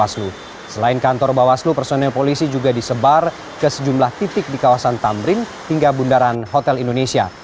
selain kantor bawah selu personel polisi juga disebar ke sejumlah titik di kawasan tambring hingga bundaran hotel indonesia